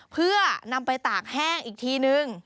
เพื่อนำไปตากแห้งอีกทีนึง